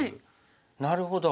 なるほど。